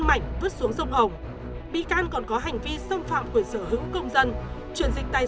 mạnh vứt xuống sông hồng bị can còn có hành vi xâm phạm quyền sở hữu công dân chuyển dịch tài